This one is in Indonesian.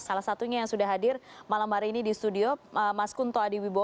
salah satunya yang sudah hadir malam hari ini di studio mas kunto adiwibowo